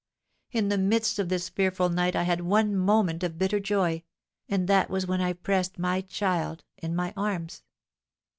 In the midst of this fearful night I had one moment of bitter joy, and that was when I pressed my child in my arms."